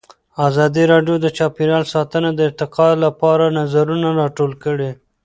ازادي راډیو د چاپیریال ساتنه د ارتقا لپاره نظرونه راټول کړي.